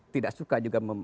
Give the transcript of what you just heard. tidak suka juga